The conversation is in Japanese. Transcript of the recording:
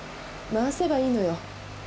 回せばいいのよ。